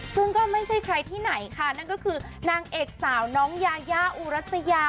ซึ่งก็ไม่ใช่ใครที่ไหนค่ะนั่นก็คือนางเอกสาวน้องยายาอุรัสยา